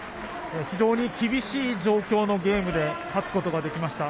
非常に厳しい状況のゲームで勝つことができました。